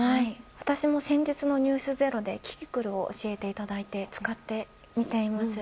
私も先日の「ｎｅｗｓｚｅｒｏ」でキキクルを教えていただいて使ってみたんです。